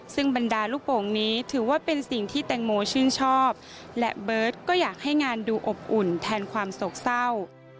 ซึ่งบรรดาลูกโป่งนี้ถือว่าเป็นสิ่งที่แตงโมชื่นชอบและเบิร์ตก็อยากให้งานดูอบอุ่นแทนความโศกเศร้า